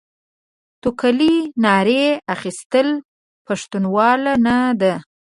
توکلې ناړې اخيستل؛ پښتنواله نه ده.